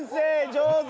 上手。